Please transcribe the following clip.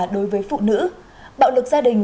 đối với phụ nữ bạo lực gia đình